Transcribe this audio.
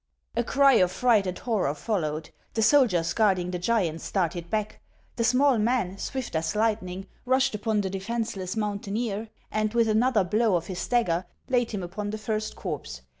A cry of fright and horror followed ; the soldiers guarding the giant started back. The small man, swift as lightning, rushed upon the defenceless mountaineer, a^d with another blow of his dagger, laid him upon the first corpse.